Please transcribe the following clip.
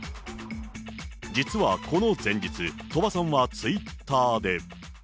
実はこの前日、鳥羽さんはツイッターで。